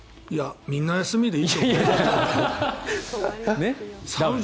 みんな休みでいいと思う。